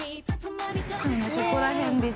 ◆ここら辺です。